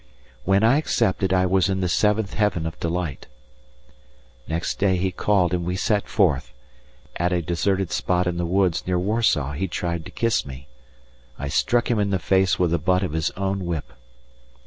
When I accepted, I was in the seventh heaven of delight. Next day he called and we set forth; at a deserted spot in the woods near Warsaw he tried to kiss me I struck him in the face with the butt of his own whip.